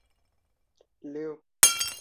盒形藻目为藻类植物之一植物目。